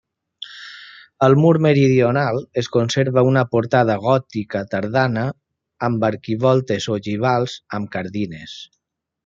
Al mur meridional es conserva una portada gòtica tardana amb arquivoltes ogivals amb cardines.